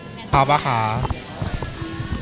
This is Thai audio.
สนุกเพลินของคอลเกรด